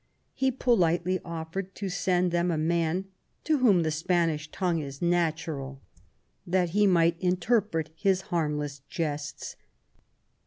He politely offered to send them a man "to whom the Spanish tongue is natural " that he might interpret his harmless jests.